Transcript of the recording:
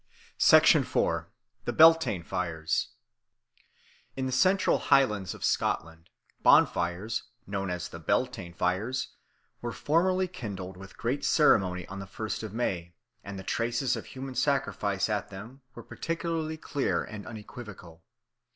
4. The Beltane Fires IN THE CENTRAL Highlands of Scotland bonfires, known as the Beltane fires, were formerly kindled with great ceremony on the first of May, and the traces of human sacrifices at them were particularly clear and unequivocal.